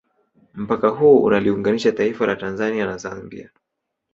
Mpaka huu unaliunganisha taifa la Tanzania na Zambia